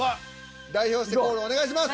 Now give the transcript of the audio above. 代表してコールお願いします。